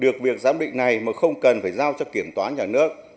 được việc giám định này mà không cần phải giao cho kiểm toán nhà nước